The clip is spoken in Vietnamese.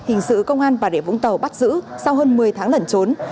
hình sự công an và đệ vũng tàu bắt giữ sau hơn một mươi tháng lẩn trốn